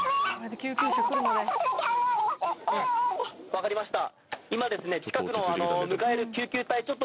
分かりました。